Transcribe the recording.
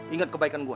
ingat kebaikan gue